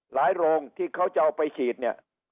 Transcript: โรงที่เขาจะเอาไปฉีดเนี่ย